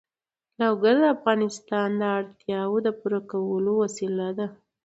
لوگر د افغانانو د اړتیاوو د پوره کولو وسیله ده.